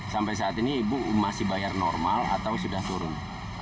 sampai saat ini ibu masih bayar normal atau sudah turun